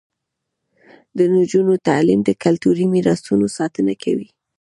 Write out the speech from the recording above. د نجونو تعلیم د کلتوري میراثونو ساتنه کوي.